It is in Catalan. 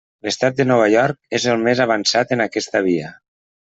L'estat de Nova York és el més avançat en aquesta via.